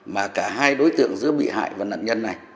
mà cả hai đối tượng giữa bị hại và nạn nhân này